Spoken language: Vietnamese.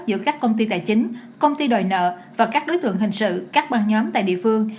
giữa các công ty tài chính công ty đòi nợ và các đối tượng hình sự các băng nhóm tại địa phương